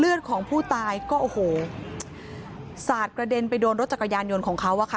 ของผู้ตายก็โอ้โหสาดกระเด็นไปโดนรถจักรยานยนต์ของเขาอะค่ะ